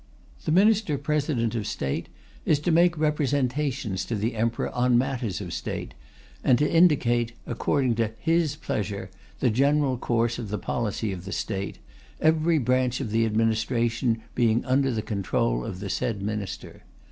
"The Minister President of State is to make representations to the Emperor on matters of State, and to indicate, according to His pleasure, the general course of the policy of the State, every branch of the administration being under control of the said Minister.